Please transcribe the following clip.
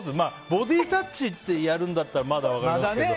ボディータッチってやるんだったらまだ分かりますけど。